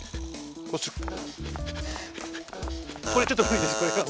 これちょっとむりです。